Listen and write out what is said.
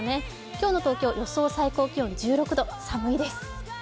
今日の東京、予想最高気温、１６度、寒いです。